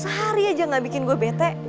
sehari aja gak bikin gue bete